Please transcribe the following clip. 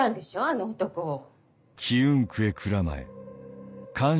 あの男を。